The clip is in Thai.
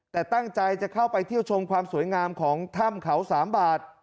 แต่ตั้งใจจะเข้าไปเที่ยวชมความสวยงามของถ้ำเขาสามบาท